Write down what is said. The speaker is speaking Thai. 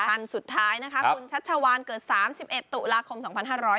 ท่านสุดท้ายนะคะคุณชัชวานเกิด๓๑ตุลาคม๒๕๕๙